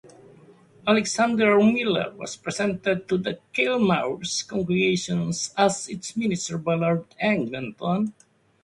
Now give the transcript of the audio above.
Alexander Miller was presented to the Kilmaurs congregation as its minister by Lord Eglinton.